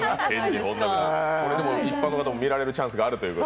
これ一般の方も見られるチャンスがあるという。